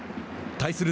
対する